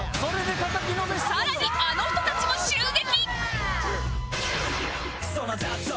更にあの人たちも襲撃